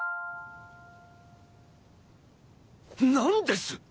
何です？